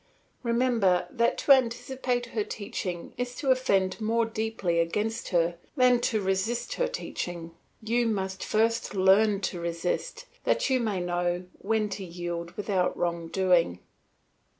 Remember that to anticipate her teaching is to offend more deeply against her than to resist her teaching; you must first learn to resist, that you may know when to yield without wrong doing.